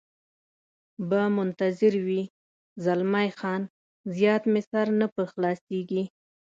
به منتظر وي، زلمی خان: زیات مې سر نه په خلاصېږي.